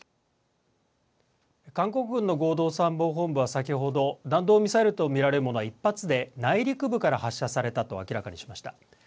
韓国軍の合同参謀本部は先ほど弾道ミサイルと見られるものは１発で内陸部から発射されたと明らかにしました。